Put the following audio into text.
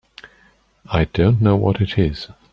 I don't know what it is.